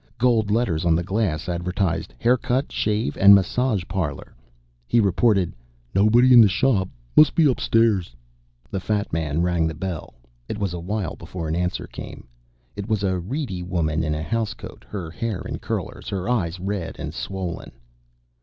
Gold letters on the glass advertised: HAIRCUT SHAVE & MASSAGE PARLOR. He reported: "Nobody in the shop. Must be upstairs." The fat man rang the bell. It was a while before an answer came. It was a reedy woman in a housecoat, her hair in curlers, her eyes red and swollen.